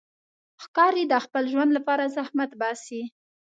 ښکاري د خپل ژوند لپاره زحمت باسي.